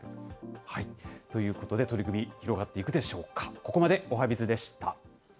ということで取り組み、広がっていくでしょうか。